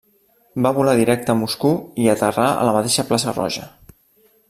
Va volar directe a Moscou i aterrà a la mateixa plaça Roja.